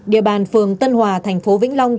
địa bàn phường tân hòa thành phố vĩnh long